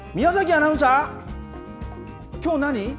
アナウンサー、きょう何？